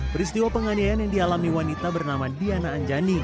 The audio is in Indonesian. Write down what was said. peristiwa penganiayaan yang dialami wanita bernama diana anjani